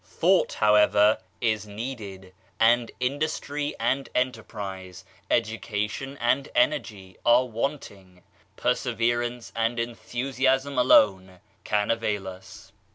Thought, however, is needed ; and industry and enterprise, education and energy are wanting; perseverance and enthusiasm alone can avail us.